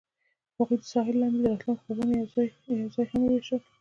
هغوی د ساحل لاندې د راتلونکي خوبونه یوځای هم وویشل.